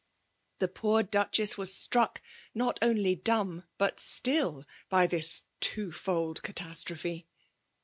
The poov DuchesB was stracfc, not oaly dumb bat still, by this twofold catastrophe